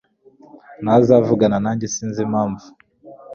ntazavugana nanjye sinzi impamvu.